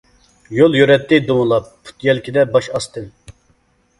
يول يۈرەتتى دومىلاپ، پۈت يەلكىدە باش ئاستىن.